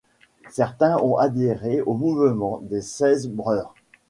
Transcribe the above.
Certains ont adhéré au mouvement des Seiz Breur.